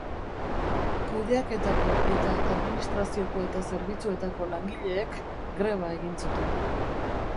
Kudeaketako eta administrazioko eta zerbitzuetako langileek greba egin zuten.